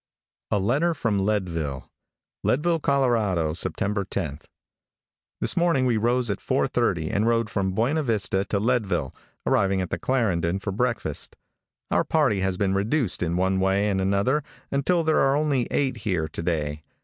A LETTER FROM LEADVILLE. Leadville, Colorado, Sept. 10. |THIS morning we rose at 4:30, and rode from Buena Vista to Leadville, arriving at the Clarendon for breakfast. Our party has been reduced in one way and another until there are only eight here to day.